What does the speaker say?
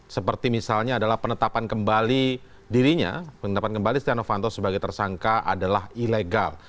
seperti misalnya adalah penetapan kembali dirinya penetapan kembali setia novanto sebagai tersangka adalah ilegal